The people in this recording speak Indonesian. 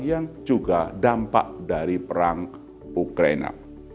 yang juga dampak dari perang ukraina